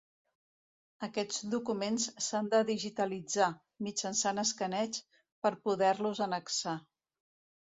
Aquests documents s'han de digitalitzar, mitjançant escaneig, per poder-los annexar.